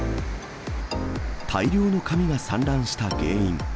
大量の紙が散乱した原因。